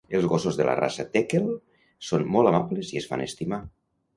Els gossos de la raça Tekel son molt amables i es fan estimar